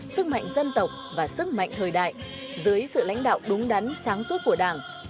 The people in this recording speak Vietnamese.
sức mạnh dân tộc và sức mạnh thời đại dưới sự lãnh đạo đúng đắn sáng suốt của đảng